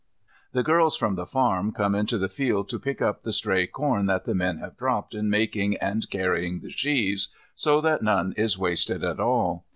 The girls from the farm come into the field to pick up all the stray corn that the men have dropped in making and carrying the sheaves, so that none is wasted at all.